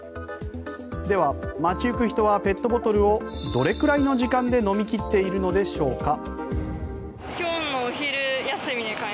では、街行く人はペットボトルをどれくらいの時間で飲み切っているのでしょうか。